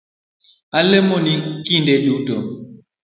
Alemoni kinde duto